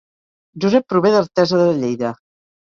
Josep prové d'Artesa de Lleida